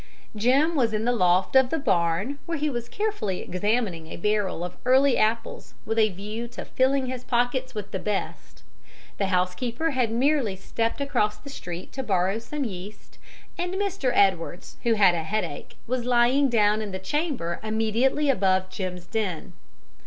Jim was in the loft of the barn, where he was carefully examining a barrel of early apples with a view to filling his pockets with the best; the housekeeper had merely stepped across the street to borrow some yeast, and Mr. Edwards, who had a headache, was lying down in the chamber immediately above Jim's den.